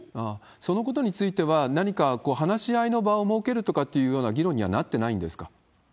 そのことについては、何か話し合いの場を設けるとかっていうような議論にはなってないんですか？